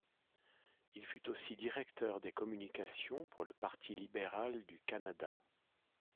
Il fut aussi directeur des communications pour le Parti libéral du Canada.